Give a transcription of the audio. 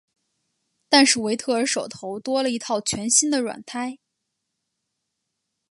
但是维特尔手头多了一套全新的软胎。